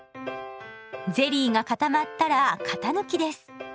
ゼリーが固まったら型抜きです。